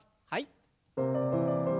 はい。